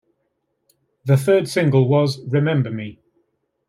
The third single was "Remember Me".